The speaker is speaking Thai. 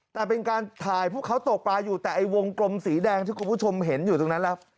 แต่เป็นการถ่ายพวกเขาตกปลาอยู่แต่ไอ้วงกลมสีแดงที่คุณผู้ชมเห็นอยู่ตรงนั้นแล้ว